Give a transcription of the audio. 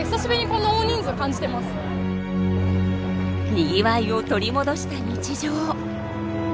にぎわいを取り戻した日常。